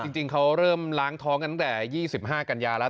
จริงเขาเริ่มล้างท้องกันตั้งแต่๒๕กันยาแล้ว